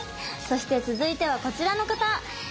そして続いてはこちらの方！